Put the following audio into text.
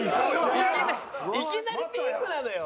いきなりピークなのよ。